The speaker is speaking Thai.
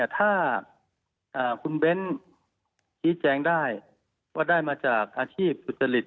ถ้าคุณเบ้นชี้แจงได้ว่าได้มาจากอาชีพสุจริต